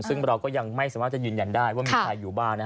ซึ่งเราก็ยังไม่สามารถจะยืนยันได้ว่ามีใครอยู่บ้าง